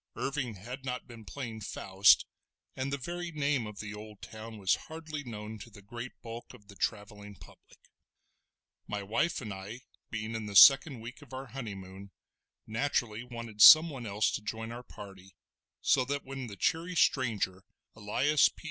Irving had not been playing Faust, and the very name of the old town was hardly known to the great bulk of the travelling public. My wife and I being in the second week of our honeymoon, naturally wanted someone else to join our party, so that when the cheery stranger, Elias P.